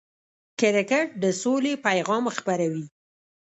کرکټ د سولې پیغام خپروي.